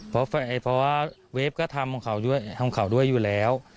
เพราะวิภาควิจารณ์ก็ทำของเขาด้วยอยู่แล้ว